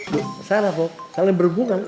buk salah bob saling berhubungan